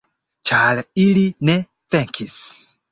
Ĉar ili ne venkis!